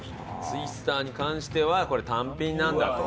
ツイスターに関してはこれ単品なんだと。